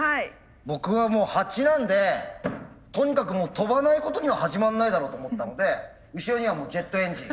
僕はもう蜂なんでとにかく飛ばないことには始まんないだろうと思ったので後ろにはもうジェットエンジン。